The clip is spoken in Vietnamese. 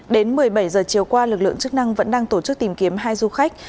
đến một mươi bảy h chiều qua lực lượng chức năng vẫn đang tổ chức tìm kiếm hai du khách